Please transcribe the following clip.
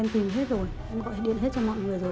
em tìm hết rồi em gọi điện hết cho mọi người rồi